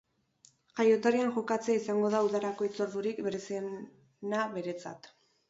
Jaioterrian jokatzea izango da udarako hitzordurik bereziena beretzat.